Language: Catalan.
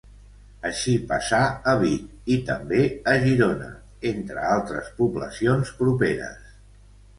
Així passà a Vic i també a Girona, entre altres poblacions properes.